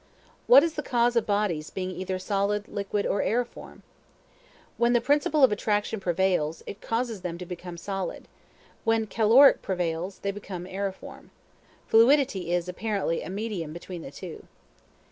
What is the cause of bodies being either solid, liquid, or aeriform? When the principle of attraction prevails, it causes them to become solid; when caloric prevails, they become aeriform. Fluidity is, apparently, a medium between the two.